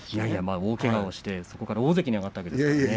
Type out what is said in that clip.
大けがをしてそこから大関に上がったわけですよね。